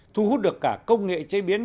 thu hút được cả công nghệ chế biến